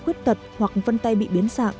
khuyết tật hoặc vân tay bị biến sạng